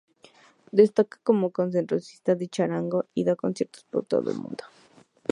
Destaca como concertista de charango, y da conciertos por todo el mundo.